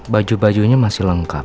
baju bajunya masih lengkap